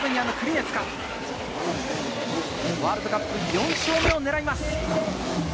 ワールドカップ４勝目を狙います。